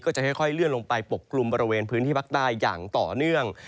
จะค่อยเลื่อนลงไปปกกลุ่มบริเวณพื้นที่ภาคใต้อย่างต่อเนื่อง